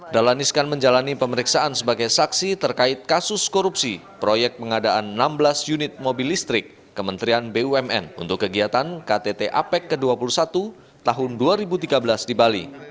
dahlan iskan menjalani pemeriksaan sebagai saksi terkait kasus korupsi proyek pengadaan enam belas unit mobil listrik kementerian bumn untuk kegiatan ktt apec ke dua puluh satu tahun dua ribu tiga belas di bali